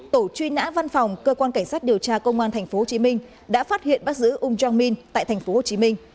tổ truy nã văn phòng cơ quan cảnh sát điều tra công an tp hcm đã phát hiện bắt giữ um jong min tại tp hcm